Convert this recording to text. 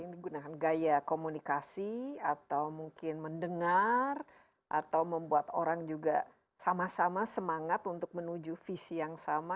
ini gunakan gaya komunikasi atau mungkin mendengar atau membuat orang juga sama sama semangat untuk menuju visi yang sama